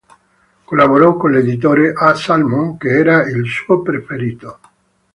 Collaborò con l'editore A. Salmon, che era il suo preferito.